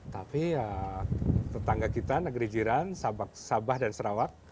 tapi ya tetangga kita negeri jiran sabah dan sarawak